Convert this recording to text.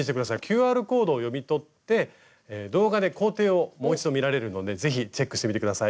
ＱＲコードを読み取って動画で工程をもう一度見られるので是非チェックしてみて下さい。